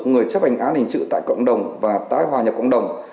người chấp hành án hình sự tại cộng đồng và tái hòa nhập cộng đồng